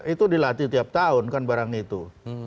itu dilatih tiap tahun kan barang itu